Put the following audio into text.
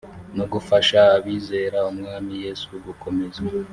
no gufasha abizera umwami yesu gukomeza